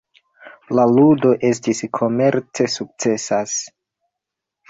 La ludo estis komerce sukcesas.